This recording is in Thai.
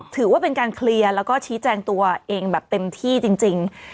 ถือว่าเป็นการเคลียร์แล้วก็ชี้แจงตัวเองแบบเต็มที่จริง